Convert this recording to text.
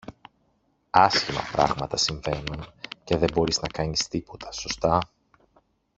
Άσχημα πράγματα συμβαίνουν, και δε μπορείς να κάνεις τίποτα, σωστά;